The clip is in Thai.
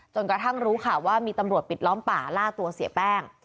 กระทั่งรู้ข่าวว่ามีตำรวจปิดล้อมป่าล่าตัวเสียแป้ง